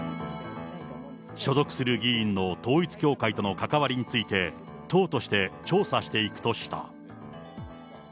所属する議員の統一教会との関わりについて、党として調査していくとした。